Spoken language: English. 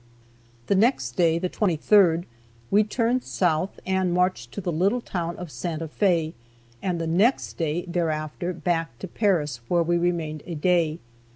The next day (the 23rd) we turned south, and marched to the little town of Santa Fe, and the next day thereafter back to Paris, where we remained a day.